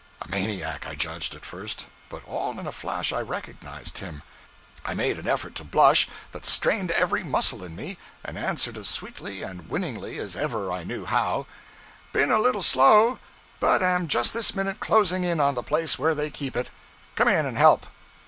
_' A maniac, I judged, at first. But all in a flash I recognized him. I made an effort to blush that strained every muscle in me, and answered as sweetly and winningly as ever I knew how 'Been a little slow, but am just this minute closing in on the place where they keep it. Come in and help.'